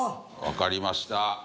わかりました。